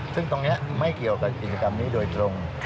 ซึ่งตรงนี้ไม่เกี่ยวกับกิจกรรมนี้โดยตรง